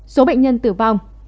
số bệnh nhân tử vong